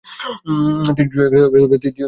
তিনজন অফিসার আছেন।